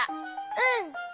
うん。